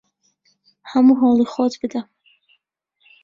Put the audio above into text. هەموو هەوڵی خۆت بدە!